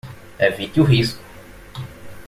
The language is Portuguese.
Evite o risco